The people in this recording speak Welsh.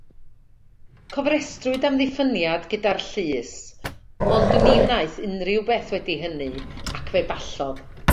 Cofrestrwyd amddiffyniad gyda'r Llys ond ni wnaeth unrhyw beth wedi hynny ac fe ballodd.